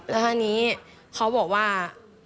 แล้วทีนี้เขาบอกว่า